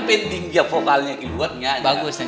biarkan dia pegang